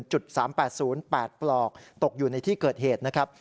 จุดสามแปดศูนย์แปดปลอกตกอยู่ในที่เกิดเหตุนะครับ